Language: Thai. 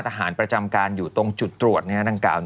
ทหารประจำการอยู่ตรงจุดตรวจดังกล่าว